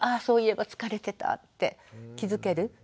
そういえば疲れてたって気付ける。